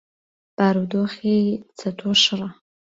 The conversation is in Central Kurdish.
بارودۆخی چەتۆ شڕە.